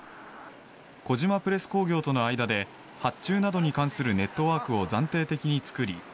小島プレス工業との間で発注などに関するネットワークを暫定的に作り